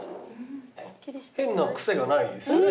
変な癖がないですね